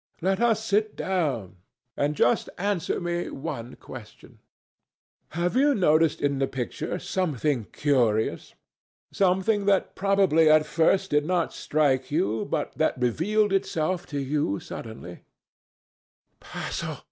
"Let us sit down. And just answer me one question. Have you noticed in the picture something curious?—something that probably at first did not strike you, but that revealed itself to you suddenly?" "Basil!"